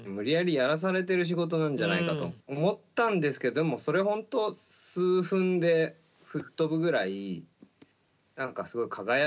やらされてる仕事なんじゃないかと思ったんですけどでもそれほんと数分で吹っ飛ぶぐらい何かすごい輝いてたので。